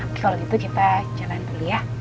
kalau gitu kita jalan dulu ya